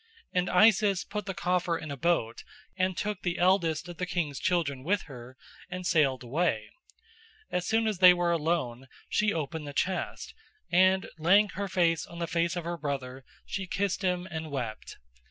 And Isis put the coffer in a boat and took the eldest of the king's children with her and sailed away. As soon as they were alone, she opened the chest, and laying her face on the face of her brother she kissed him and wept.